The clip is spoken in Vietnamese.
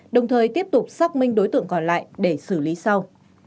đồng thời tiếp tục xác minh đối tượng còn lại để xử lý sau